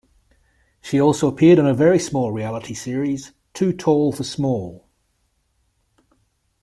She also appeared on a very small reality series, "Too Tall For Small".